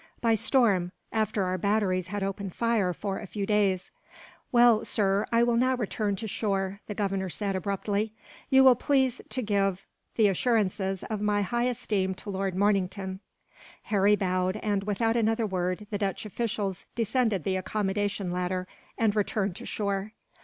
"By storm, after our batteries had opened fire, for a few days." [Illustration: 'Well, sir, I will now return to shore,' the Governor] said. "Well, sir, I will now return to shore," the Governor said, abruptly. "You will please to give the assurances of my high esteem to Lord Mornington." Harry bowed and, without another word, the Dutch officials descended the accommodation ladder, and returned to shore.